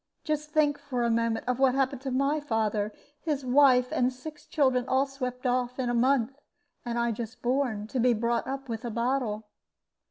Just think for a moment of what happened to my father. His wife and six children all swept off in a month and I just born, to be brought up with a bottle!"